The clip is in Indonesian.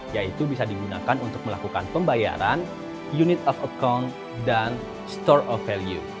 yaitu bisa digunakan untuk melakukan pembayaran unit of account dan store of value